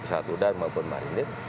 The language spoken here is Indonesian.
pesawat udara maupun marindir